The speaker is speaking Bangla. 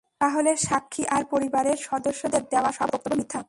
তাহলে স্বাক্ষী আর পরিবারের সদস্যদের দেওয়া সব বক্তব্য মিথ্যা?